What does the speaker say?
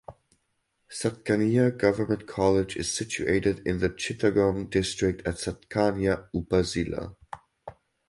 Satkania Government College is situated in the Chittagong District at Satkania Upazila.